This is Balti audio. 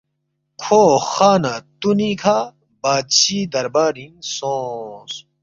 کھو خا نہ تُونی کھہ بادشی دربارِنگ سونگس